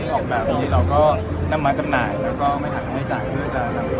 เราก็นำมาจำหน่ายแล้วก็ไม่ถัดไม่จ่ายเพื่อจะนำต้องทิ้งออกไปทะเล